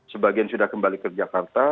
sebagian sudah kembali ke jakarta